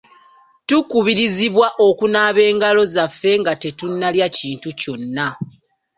Tukubirizibwa okunaaba engalo zaffe nga tetunnalya kintu kyonna.